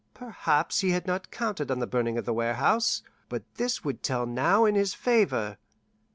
Perhaps he had not counted on the burning of the warehouse, but this would tell now in his favour.